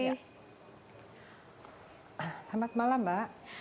selamat malam mbak